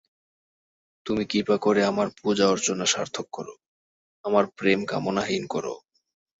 তুমি কৃপা করে আমার পূজা-অর্চনা সার্থক কর, আমার প্রেম কামনাহীন কর।